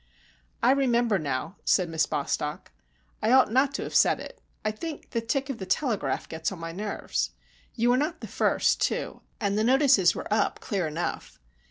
"I remember now," said Miss Bostock. "I ought not to have said it. I think the tick of the telegraph gets on my nerves. You were not the first, too, and the notices were up clear enough.